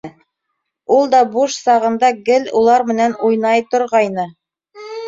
Ул да буш сағында гел улар менән уйнай торғайны.